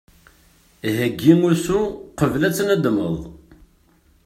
Heggi usu uqbel naddam.